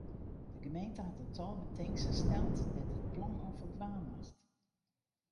De gemeente hat in tal betingsten steld dêr't it plan oan foldwaan moat.